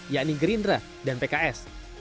yakni gerindra dan pks